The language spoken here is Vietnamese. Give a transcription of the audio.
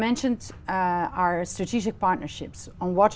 những trung tâm mà các bạn thích nhất